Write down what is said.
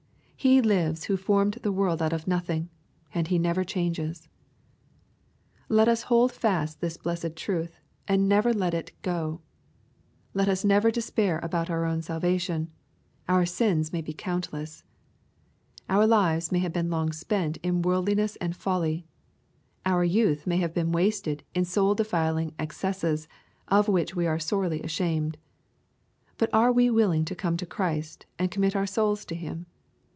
He lives who formed the world out of nothing, and He never changes. Let us hold fast this blessed truth, and never let it go Let us never despair about our own salvation. Our sins may be countless. Our lives may have been long spent in worldliness and folly. Our youth may have been wasted in soul defiling excesses, of which we are sorely ashamed. But are we willing to come to Christ, and commit our souls to Him